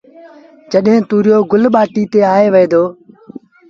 جڏهيݩ تُوريو گل ٻآٽيٚ تي آئي وهي دو